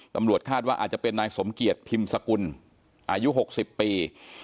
ตำรวจคาดว่าอาจจะเป็นนายสมเกียจพิมพ์สกุลอายุ๖๐ปี